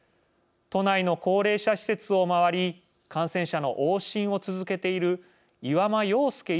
都内の高齢者施設を回り感染者の往診を続けている岩間洋亮